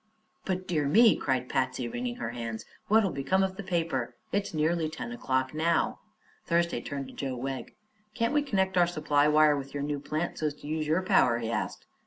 "But, dear me!" cried Patsy, wringing her hands; "what'll become of the paper? It's nearly ten o'clock now." Thursday turned to Joe Wegg. "Can't we connect our supply wire with your new plant, so as to use your power?" he asked.